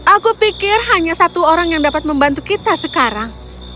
aku pikir hanya satu orang yang dapat membantu kita sekarang